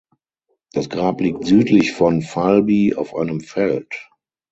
Das Grab liegt südlich von Valby auf einem Feld.